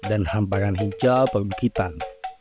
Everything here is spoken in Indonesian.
dan hamparan hijau perbukitan